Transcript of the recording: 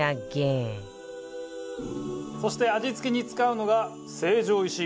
そして味付けに使うのが成城石井